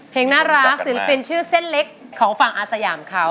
น่ารักศิลปินชื่อเส้นเล็กของฝั่งอาสยามเขา